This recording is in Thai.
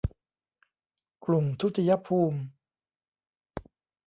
กลุ่มทุติยภูมิ